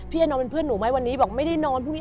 พี่เอ๊ะนอนเป็นเพื่อนหนูไหมวันนี้บอกไม่ได้นอน